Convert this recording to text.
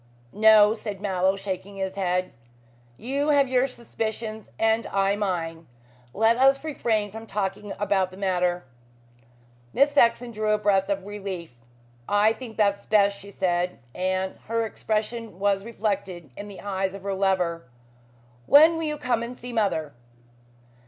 "No," said Mallow, shaking his head, "you have your suspicions and I mine. Let us refrain from talking about the matter." Miss Saxon drew a breath of relief. "I think that is best," she said, and her expression was reflected in the eyes of her lover. "When will you come and see mother?"